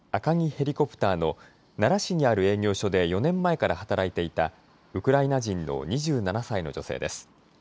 ヘリコプターの奈良市にある営業所で４年前から働いていたウクライナ人の２７歳の女性です。